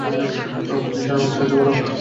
ঈশ্বর আমাকে সাহায্য করো।